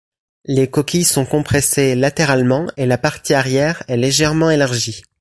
Les coquilles sont compressées latéralement et la partie arrière est légèrement élargie.